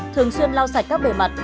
thường xuyên lau sạch các bề mặt